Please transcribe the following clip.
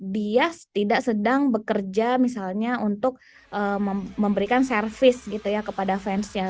dia tidak sedang bekerja misalnya untuk memberikan service gitu ya kepada fansnya